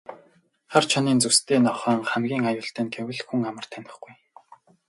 Хар чонын зүстэй нохойн хамгийн аюултай нь гэвэл хүн амар танихгүй.